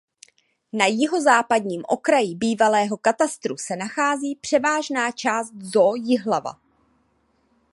Na jihozápadním okraji bývalého katastru se nachází převážná část Zoo Jihlava.